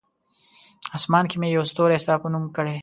آسمان کې مې یو ستوری ستا په نوم کړی!